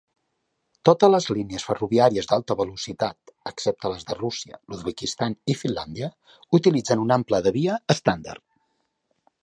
Totes les línies ferroviàries d'alta velocitat, excepte les de Rússia, l'Uzbekistan i Finlàndia utilitzen un ample de via estàndard.